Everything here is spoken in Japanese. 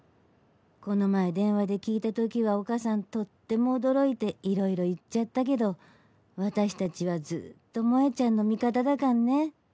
この前電話で聞いた時はお母さんとても驚いて色々言っちゃったけど、私たちはずっと萌ちゃんの味方だからね。